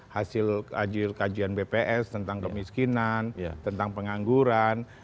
hasil kajian bps tentang kemiskinan tentang pengangguran